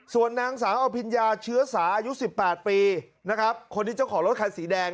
ส่วนนางสาวอภิญญาเชื้อสาอายุ๑๘ปีนะครับคนที่เจ้าของรถคันสีแดง